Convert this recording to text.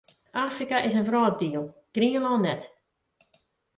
Afrika is in wrâlddiel, Grienlân net.